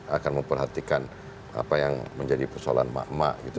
akan memperhatikan apa yang menjadi persoalan mak mak gitu